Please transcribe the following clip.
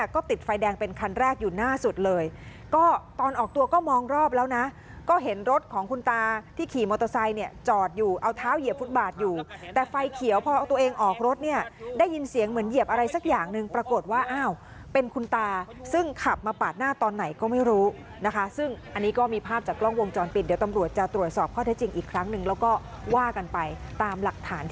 ขี่มอเตอร์ไซต์เนี่ยจอดอยู่เอาเท้าเหยียบฟุตบาทอยู่แต่ไฟเขียวพอตัวเองออกรถเนี่ยได้ยินเสียงเหมือนเหยียบอะไรสักอย่างหนึ่งปรากฏว่าอ้าวเป็นคุณตาซึ่งขับมาปาดหน้าตอนไหนก็ไม่รู้นะคะซึ่งอันนี้ก็มีภาพจากกล้องวงจรปิดเดี๋ยวตำรวจจะตรวจสอบข้อได้จริงอีกครั้งหนึ่งแล้วก็ว่ากันไปตามห